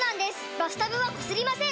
バスタブはこすりません！